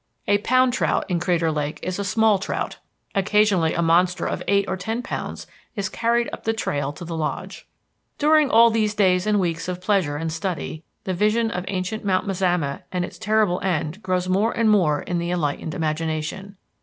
A pound trout in Crater Lake is a small trout. Occasionally a monster of eight or ten pounds is carried up the trail to the Lodge. During all these days and weeks of pleasure and study, the vision of ancient Mount Mazama and its terrible end grows more and more in the enlightened imagination.